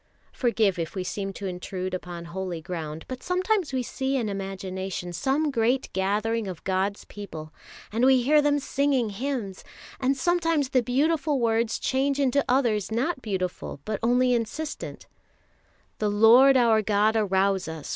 Forgive if we seem to intrude upon holy ground, but sometimes we see in imagination some great gathering of God's people, and we hear them singing hymns; and sometimes the beautiful words change into others not beautiful, but only insistent: The Lord our God arouse us!